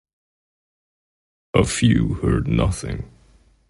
A few heard nothing.